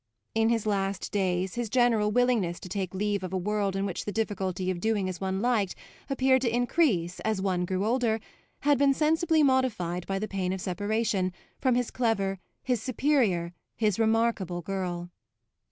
In his last days his general willingness to take leave of a world in which the difficulty of doing as one liked appeared to increase as one grew older had been sensibly modified by the pain of separation from his clever, his superior, his remarkable girl.